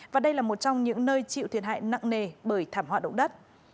và đây là một trong những nơi chịu thiệt hại nặng nề bởi thảm họa động đất